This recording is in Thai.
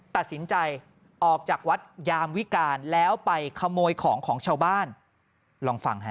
ตัดสินใจออกจากวัดยามวิการแล้วไปขโมยของของชาวบ้านลองฟังฮะ